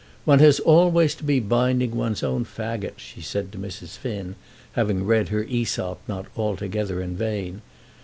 "One has always to be binding one's fagot," she said to Mrs. Finn, having read her Æsop not altogether in vain.